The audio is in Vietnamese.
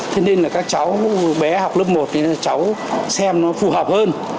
thế nên là các cháu bé học lớp một nên cháu xem nó phù hợp hơn